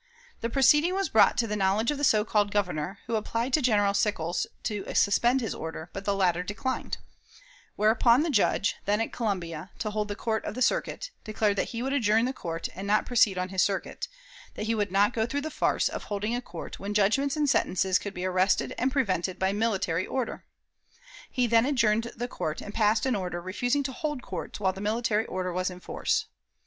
The proceeding was brought to the knowledge of the so called Governor, who applied to General Sickles to suspend his order, but the latter declined; whereupon the Judge, then at Columbia, to hold the court of the circuit, declared that he would adjourn the court and not proceed on his circuit; that he would not go through the farce of holding a court when judgments and sentences could be arrested and prevented by military order. He then adjourned the court, and passed an order refusing to hold courts while the military order was in force.